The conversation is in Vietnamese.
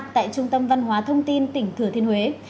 tại trung tâm văn hóa thông tin tỉnh thừa thiên huế